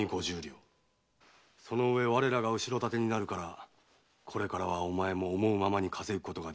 そのうえ我らが後ろ盾になるからこれからお前も思うままに稼げる。